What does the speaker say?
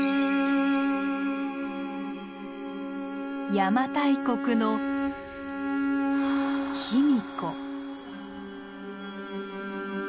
邪馬台国の卑弥呼。